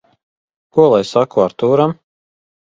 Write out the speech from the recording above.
Ko lai saku Artūram?